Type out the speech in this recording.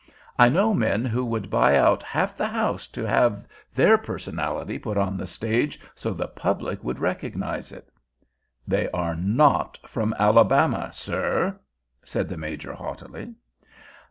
I know men who would buy out half the house to have their personality put on the stage so the public would recognize it." "They are not from Alabama, sir," said the Major haughtily.